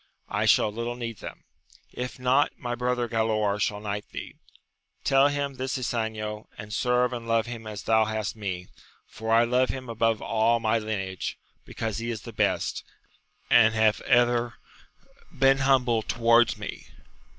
I shall little need them : if not, my brother Galaor shall knight thee. Tell him this Ysanjo, and serve and love him as thou hast me, for I love him above all my lineage, because he is the best, and hath ever been humble towards me.